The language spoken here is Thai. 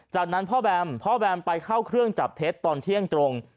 จากนั้นพ่อแบมพ่อแบมไปเข้าเครื่องจับเท็จตอนเที่ยงตรง